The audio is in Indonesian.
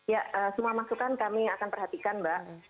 ya semua masukan kami akan perhatikan mbak